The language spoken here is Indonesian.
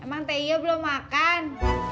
emang tehya belum makan